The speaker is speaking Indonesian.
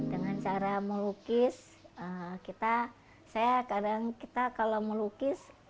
karena melukis kita saya kadang kita kalau melukis